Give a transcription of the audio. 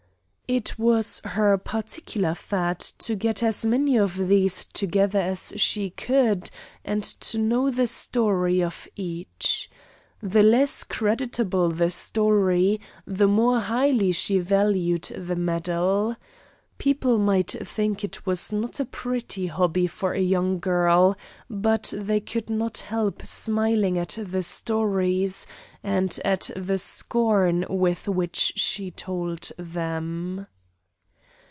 It was her particular fad to get as many of these together as she could and to know the story of each. The less creditable the story, the more highly she valued the medal. People might think it was not a pretty hobby for a young girl, but they could not help smiling at the stories and at the scorn with which she told them.